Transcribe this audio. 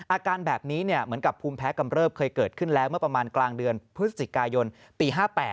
อาการแบบนี้เหมือนกับภูมิแพ้กำเริบเคยเกิดขึ้นแล้วเมื่อประมาณกลางเดือนพฤศจิกายนปี๕๘